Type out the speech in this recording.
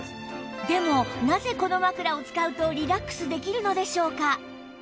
でもなぜこの枕を使うとリラックスできるのでしょうか？